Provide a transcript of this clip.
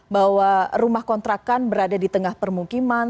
bahwa rumah kontrakan berada di tengah permukiman